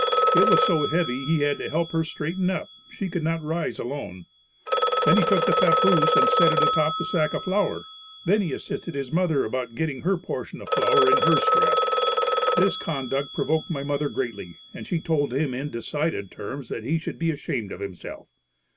It was so heavy he had to help her straighten up; she could not rise alone. Then he took the papoose and set it atop the sack of flour. He then assisted his mother about getting her portion of flour in her strap. His conduct provoked mother greatly and she told him in decided terms that he should be ashamed of himself.